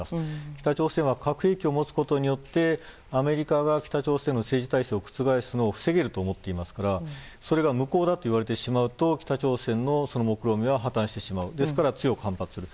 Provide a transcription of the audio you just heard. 北朝鮮は核兵器を持つことによってアメリカが北朝鮮の政治体制を覆すのを防げると思っていますからそれが無効だといわれてしまうと北朝鮮の目論見破綻してしまうから強く反発する。